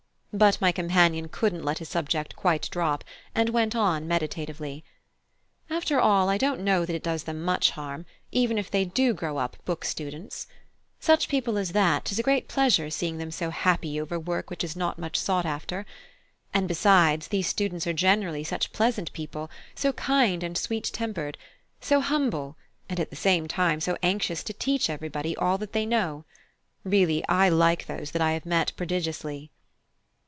But my companion couldn't let his subject quite drop, and went on meditatively: "After all, I don't know that it does them much harm, even if they do grow up book students. Such people as that, 'tis a great pleasure seeing them so happy over work which is not much sought for. And besides, these students are generally such pleasant people; so kind and sweet tempered; so humble, and at the same time so anxious to teach everybody all that they know. Really, I like those that I have met prodigiously."